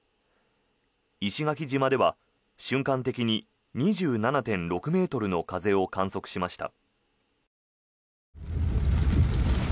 石垣島では瞬間的に２７．６ｍの風を観測しました。